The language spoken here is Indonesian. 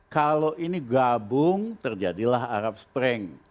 kalau ini gabung terjadilah arab spring